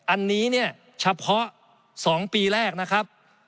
อันนี้เนี่ยเฉพาะ๒ปีแรกนะครับ